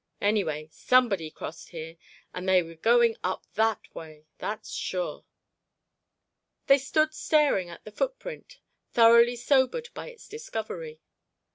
Anyway, somebody crossed here and they were going up that way, that's sure." They stood staring at the footprint, thoroughly sobered by its discovery.